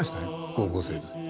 高校生で。